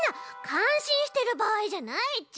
かんしんしてるばあいじゃないち。